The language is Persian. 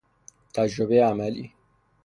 تجربهی عملی